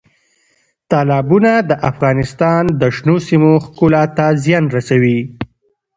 تالابونه د افغانستان د شنو سیمو ښکلا ته زیان رسوي.